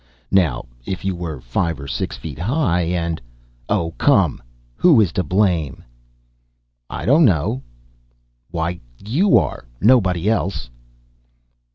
Now if you were five or six feet high, and " "Oh, come! who is to blame?" "I don't know." "Why, you are; nobody else."